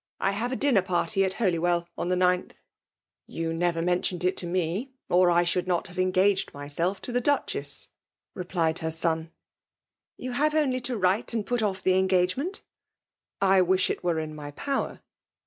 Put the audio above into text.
*' I have a dinner party at Holywel) WtheOtli." V •« Yoo'never mentioned it to me ; or I should not tiave engaged myself to the Duchess, re«f plied her son. i You have only to write and put off the engagement/* '' I wish it were in my power.